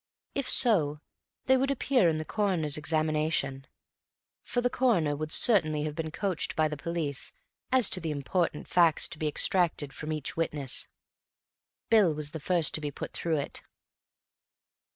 If so, they would appear in the Coroner's examination, for the Coroner would certainly have been coached by the police as to the important facts to be extracted from each witness. Bill was the first to be put through it.